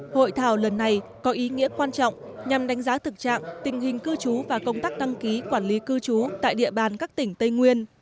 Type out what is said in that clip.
hội thảo lần này có ý nghĩa quan trọng nhằm đánh giá thực trạng tình hình cư trú và công tác đăng ký quản lý cư trú tại địa bàn các tỉnh tây nguyên